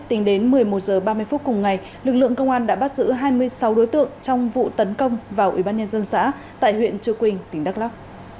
tính đến một mươi một h ba mươi phút cùng ngày lực lượng công an đã bắt giữ hai mươi sáu đối tượng trong vụ tấn công vào ủy ban nhân dân xã tại huyện chưa quỳnh tỉnh đắk lóc